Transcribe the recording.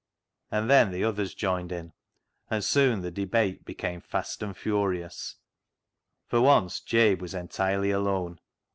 And then the others joined in, and soon the debate become fast and furious. For once Jabe was entirely alone.